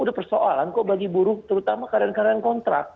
udah persoalan kok bagi buru terutama karyan karyan kontrak